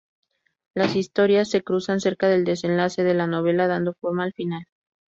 Las historias se cruzan cerca del desenlace de la novela, dando forma al final.